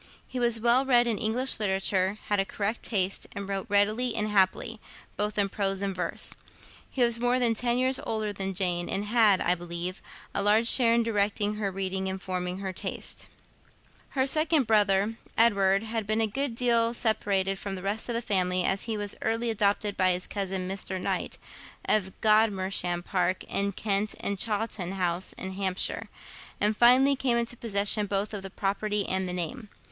He was well read in English literature, had a correct taste, and wrote readily and happily, both in prose and verse. He was more than ten years older than Jane, and had, I believe, a large share in directing her reading and forming her taste. Her second brother, Edward, had been a good deal separated from the rest of the family, as he was early adopted by his cousin, Mr. Knight, of Godmersham Park in Kent and Chawton House in Hampshire; and finally came into possession both of the property and the name.